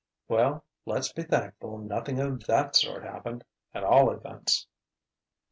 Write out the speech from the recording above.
"Well, let's be thankful nothing of that sort happened, at all events."